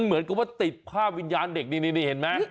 เหมือนกับว่าติดภาพวิญญาณเด็กนี่เห็นไหม